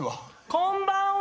こんばんは！